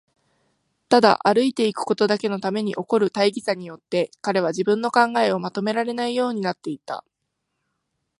ただ歩いていくことだけのために起こる大儀さによって、彼は自分の考えをまとめられないようになっていた。